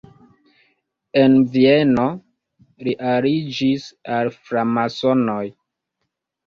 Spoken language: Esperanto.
En Vieno li aliĝis al framasonoj.